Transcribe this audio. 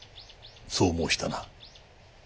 そう申したな？